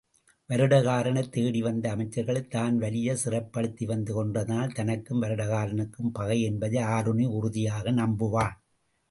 வருடகாரனைத் தேடிவந்த அமைச்சர்களைத் தான் வலிய சிறைப்படுத்திவந்து கொன்றதனால் தனக்கும் வருடகாரனுக்கும் பகை என்பதை ஆருணி உறுதியாக நம்புவான்.